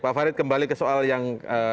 pak farid kembali ke soal yang